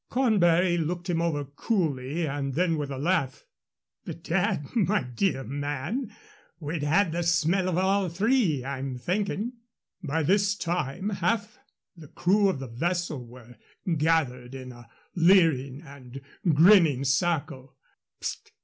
Cornbury looked him over coolly, and then, with a laugh, "Bedad, my dear man, we'd had a smell of all three, I'm thinking." By this time half the crew of the vessel were gathered in a leering and grinning circle.